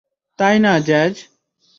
তাই না, জ্যাজ?